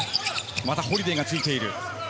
またホリデイがついている。